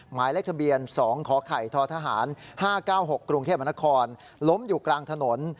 หมายเลขทะเบียน๒ขไข่ททหาร๕๙๖กรุงเทพมนครล้มอยู่กลางถนน